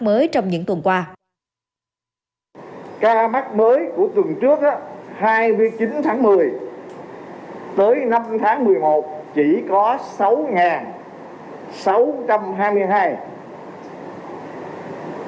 mới trong những tuần qua ca mắc mới của tuần trước hai mươi chín tháng một mươi tới năm tháng một mươi một chỉ có sáu trăm hai mươi hai